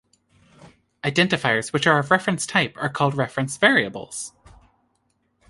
Identifiers which are of reference type are called reference variables.